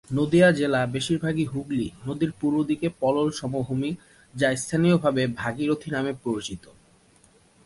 নদিয়া জেলা বেশিরভাগই হুগলি নদীর পূর্বদিকে পলল সমভূমি, যা স্থানীয়ভাবে ভাগীরথী নামে পরিচিত।